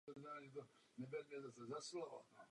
Nejen Germáni byli pro Římskou říši problémem.